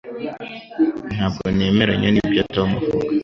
Ntabwo nemeranya nibyo Tom avuga